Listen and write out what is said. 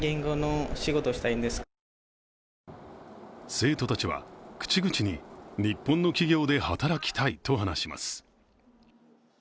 生徒たちは口々に日本の企業で働きたいと話します。